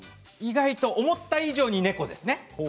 思った以上に猫ですね。